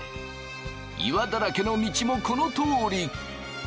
岩だらけの道もこのとおり！